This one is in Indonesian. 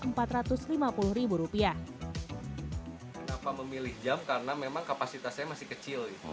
kenapa memilih jam karena memang kapasitasnya masih kecil